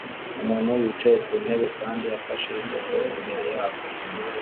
Umuntu wicaye ku ntebe kandi afashe ifoto imbere yabo